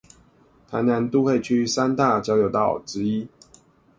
臺南都會區三大交流道之一